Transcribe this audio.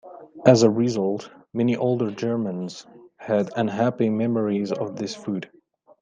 As a result, many older Germans had unhappy memories of this food.